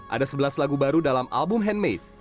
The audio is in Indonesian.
ada sebelas lagu baru dalam album handmade